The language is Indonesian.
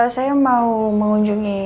saya mau mengunjungi